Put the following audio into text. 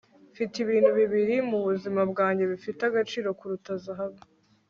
mfite ibintu bibiri mubuzima bwanjye bifite agaciro kuruta zahabu